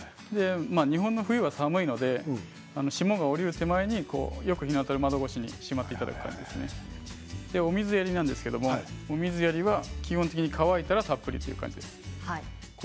日本の冬は寒いので霜が降りる手前によく日が当たる窓越しにしまっていただく、水やりは基本的に乾いたらたっぷりです。